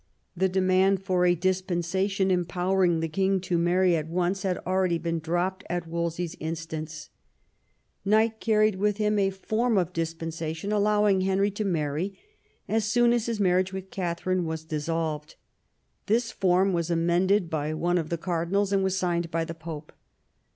The demand for a dispensation empowering the king to marry at once had already been dropped at Wolsey's instance. Knight carried IX THE KING'S DIVORCE 161 with him a form of dispensation allowing Henry to marry as soon as his marriage with Katharine was dis solved. This form was amended by one of the car dinals, and was signed by the Pope.